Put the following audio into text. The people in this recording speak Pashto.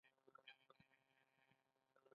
وچکالي څاروي وژني.